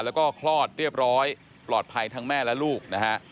แล้วก็คลอดเรียบร้อยปลอดภัยทั้งแม่และลูกนะฮะ